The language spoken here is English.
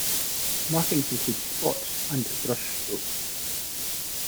Markings include spots and brush strokes.